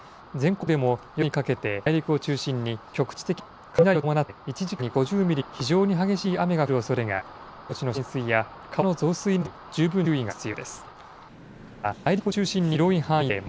全国でも夜にかけて内陸を中心に局地的に雷を伴って１時間に５０ミリの非常に激しい雨が降るおそれがあり低い土地の浸水や川の増水などに十分注意が必要です。